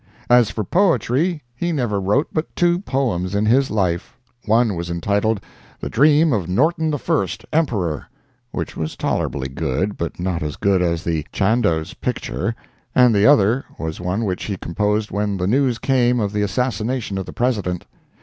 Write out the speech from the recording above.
As for poetry, he never wrote but two poems in his life. One was entitled, "The Dream of Norton I, Emperor," which was tolerably good, but not as good as the "Chandos Picture," and the other was one which he composed when the news came of the assassination of the President.